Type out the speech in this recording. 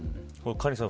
カリンさん